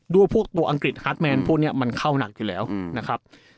พวกตัวอังกฤษฮาร์ดแมนพวกนี้มันเข้าหนักอยู่แล้วนะครับ